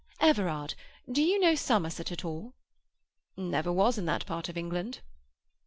"Everard, do you know Somerset at all?" "Never was in that part of England."